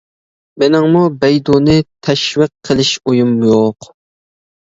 مېنىڭمۇ بەيدۇنى تەشۋىق قىلىش ئويۇم يوق.